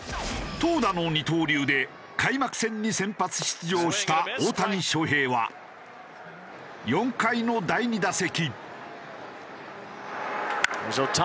投打の二刀流で開幕戦に先発出場した大谷翔平は４回の第２打席。